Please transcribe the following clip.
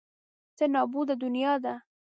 څه نابوده دنیا ده.